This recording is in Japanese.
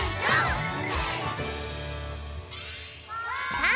さあ